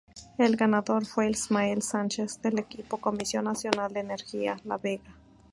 El ganador fue Ismael Sánchez del equipo "Comisión Nacional de Energía-La Vega".